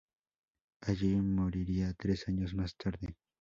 Allí moriría tres años más tarde.